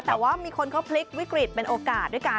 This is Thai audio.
แต่ว่ามีคนก็พลิกวิกฤตเป็นโอกาส